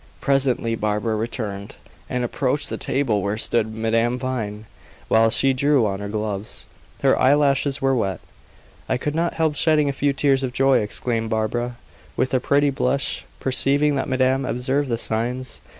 Presently Barbara returned, and approached the table where stood Madame Vine, while she drew on her gloves. Her eyelashes were wet. "I could not help shedding a few tears of joy," exclaimed Barbara, with a pretty blush, perceiving that madame observed the signs. "Mr.